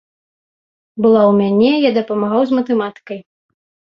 Была ў мяне, я дапамагаў з матэматыкай.